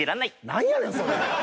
何やねんそれ！